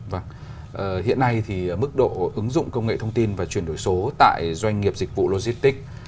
vâng hiện nay thì mức độ ứng dụng công nghệ thông tin và chuyển đổi số tại doanh nghiệp dịch vụ logistics